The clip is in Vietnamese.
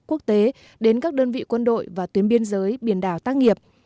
quốc tế đến các đơn vị quân đội và tuyến biên giới biển đảo tác nghiệp